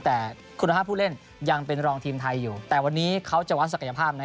แต่คุณภาพผู้เล่นยังเป็นรองทีมไทยอยู่แต่วันนี้เขาจะวัดศักยภาพนะ